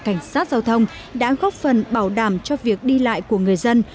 cảnh sát giao thông đã góp phần bảo đảm cho việc đi lại của người dân